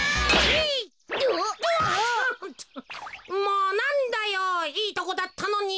もうなんだよいいとこだったのに。